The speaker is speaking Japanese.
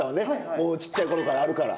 もうちっちゃいころからあるから。